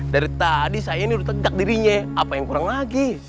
dari tadi saya ini udah tegak dirinya apa yang kurang lagi